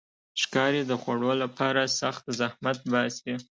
ښکاري د خوړو لپاره سخت زحمت باسي.